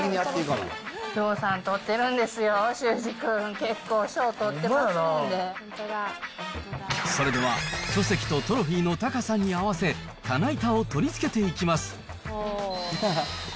ようさんとってるんですよ、修士君、結構、それでは、書籍とトロフィーの高さに合わせ、棚板を取り付けていきます。